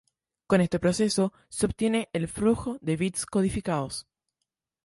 Con este proceso, se obtiene el flujo de bits codificados.